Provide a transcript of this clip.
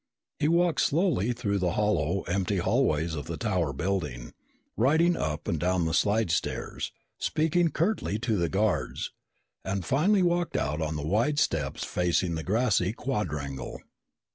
He walked slowly through the hollow, empty hallways of the Tower building, riding up and down the slidestairs, speaking curtly to the guards, and finally walked out on the wide steps facing the grassy quadrangle.